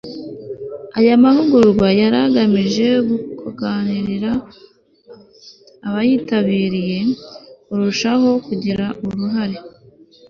aya mahugurwa yari agamije gukangurira abayitabiriye kurushaho kugira uruhare